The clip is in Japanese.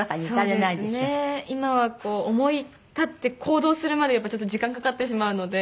今はこう思い立って行動するまでちょっと時間かかってしまうので。